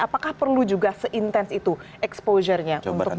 apakah perlu juga se intense itu exposure nya untuk bisa berbahasa